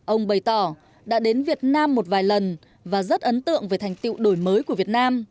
ông bày tỏ đã đến việt nam một vài lần và rất ấn tượng về thành tựu đổi mới